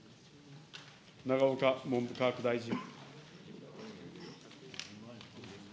永岡文部科学大臣。